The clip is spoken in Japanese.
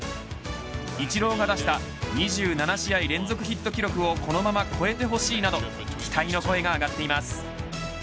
イチローが出した２７試合連続ヒット記録をこのまま越えてほしいなど期待の声が上がっています。